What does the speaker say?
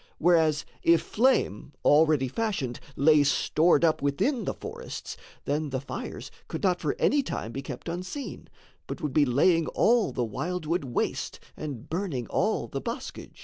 Whereas if flame, already fashioned, lay Stored up within the forests, then the fires Could not for any time be kept unseen, But would be laying all the wildwood waste And burning all the boscage.